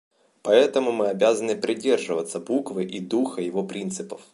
Поэтому мы обязаны придерживаться буквы и духа его принципов.